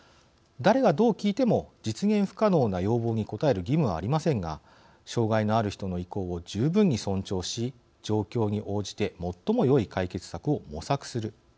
誰がどう聞いても実現不可能な要望に応える義務はありませんが障害のある人の意向を十分に尊重し、状況に応じて最もよい解決策を模索する。